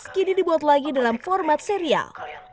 kini dibuat lagi dalam format serial